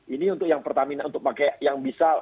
ini untuk yang pertamina untuk pakai yang bisa